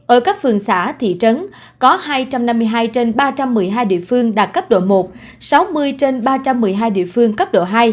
ở các phường xã thị trấn có hai trăm năm mươi hai trên ba trăm một mươi hai địa phương đạt cấp độ một sáu mươi trên ba trăm một mươi hai địa phương cấp độ hai